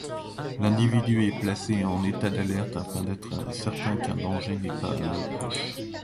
L'individu est placé en état d'alerte afin d'être certain qu'un danger n'est pas proche.